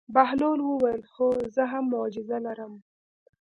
بهلول وویل: هو زه هم معجزه لرم.